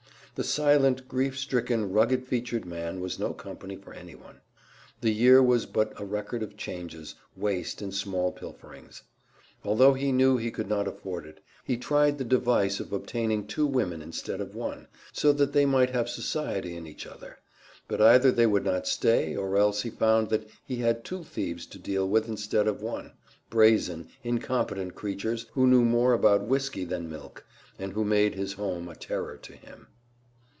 The silent, grief stricken, rugged featured man was no company for anyone. The year was but a record of changes, waste, and small pilferings. Although he knew he could not afford it, he tried the device of obtaining two women instead of one, so that they might have society in each other; but either they would not stay or else he found that he had two thieves to deal with instead of one brazen, incompetent creatures who knew more about whisky than milk, and who made his home a terror to him.